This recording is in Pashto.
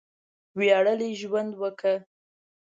وياړلی ژوند وکړه!